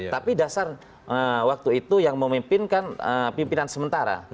tapi dasar waktu itu yang memimpinkan pimpinan sementara